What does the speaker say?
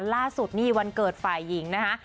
ล่าสุดนี่วันเกิดฝ่ายหญิงนะคะ